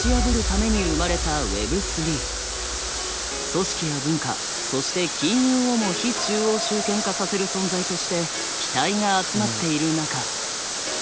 組織や文化そして金融をも非中央集権化させる存在として期待が集まっている中。